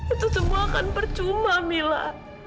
itu semua kan percuma mila